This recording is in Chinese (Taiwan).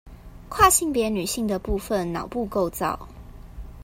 跨性別女性的部分腦部構造